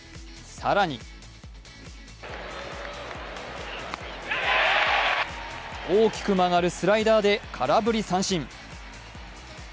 更に大きく曲がるスライダーで空振り三振。